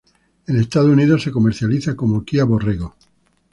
En Estados Unidos se comercializa como Kia Borrego.